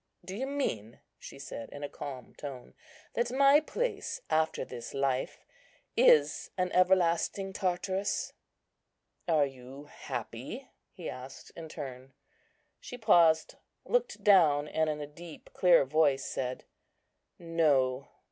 "Do you mean," she said, in a calm tone, "that my place, after this life, is an everlasting Tartarus?" "Are you happy?" he asked in turn. She paused, looked down, and in a deep clear voice said, "No."